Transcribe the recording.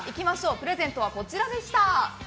プレゼントは、こちらでした。